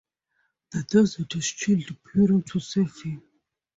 The dessert is chilled prior to serving.